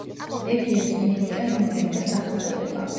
ლეგიონს მიენიჭა ნომერი და სახელწოდება.